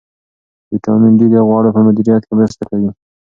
ویټامین ډي د غوړو په مدیریت کې مرسته کوي.